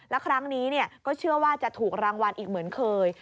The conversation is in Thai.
แล้วครั้งนี้ก็เชื่อว่าจะถูกรางวัลอีกเหมือนเคย